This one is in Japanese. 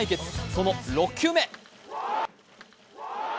その６球目。